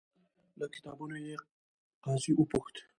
له کتابونو یې. قاضي وپوښت،